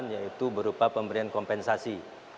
yaitu berupa pemberian kompensasi